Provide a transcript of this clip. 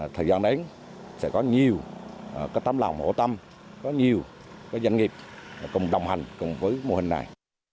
thời gian đến sẽ có nhiều tâm lòng hỗ tâm có nhiều doanh nghiệp đồng hành cùng với mô hình này